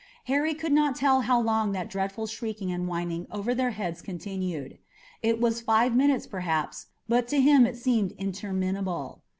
Harry could not tell how long that dreadful shrieking and whining over their heads continued. It was five minutes perhaps, but to him it seemed interminable.